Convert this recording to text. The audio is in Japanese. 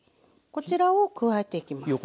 こちらを加えていきます。